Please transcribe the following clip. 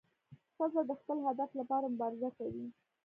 ښځه د خپل هدف لپاره مبارزه کوي.